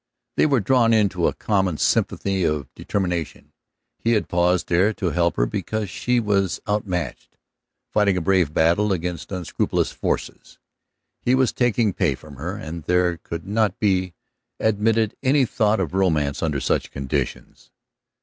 They were drawn into a common sympathy of determination; he had paused there to help her because she was outmatched, fighting a brave battle against unscrupulous forces. He was taking pay from her, and there could not be admitted any thought of romance under such conditions.